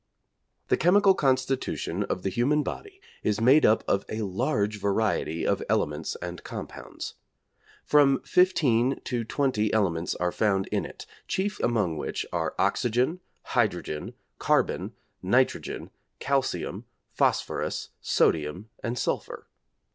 The chemical constitution of the human body is made up of a large variety of elements and compounds. From fifteen to twenty elements are found in it, chief among which are oxygen, hydrogen, carbon, nitrogen, calcium, phosphorus, sodium, and sulphur.